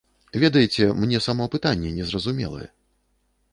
Ведаеце, мне само пытанне незразумелае.